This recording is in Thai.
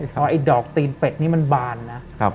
เพราะไอ้ดอกตีนเป็ดนี่มันบานนะ